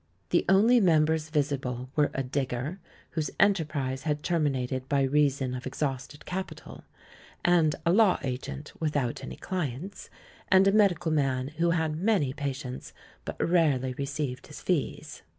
The only members visible were a digger, whose enterprise had terminated by reason of exhausted capital, and a law agent without any clients, and a medical man who had many pa tients but rarely received his fees.